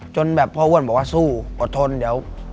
จนแบบพ่ออ้วนบอกว่าสู้อดทนเดี๋ยว